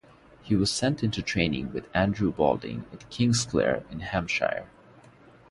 He was sent into training with Andrew Balding at Kingsclere in Hampshire.